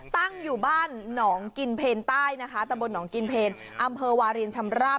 ตั้งอยู่บ้านหนองกินเพลใต้นะคะตะบนหนองกินเพลอำเภอวารินชำราบ